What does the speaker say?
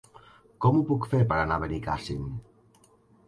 Com ho puc fer per anar a Benicàssim?